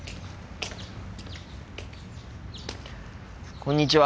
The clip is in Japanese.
こんにちは。